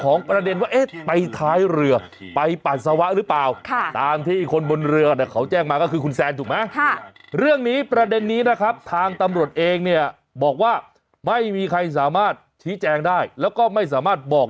ครับข้างที่คนบนเรือเขาแจ้งมาก็คือคุณแซนถูกไหมค่ะเรื่องนี้ประเด็นนี้นะครับทางตำรวจเองเนี่ยบอกว่าไม่มีใครสามารถแข้งได้แล้วก็ไม่สามารถบอก